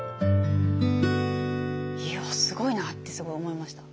いやすごいなってすごい思いました。